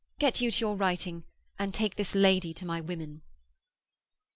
Get you to your writing and take this lady to my women.'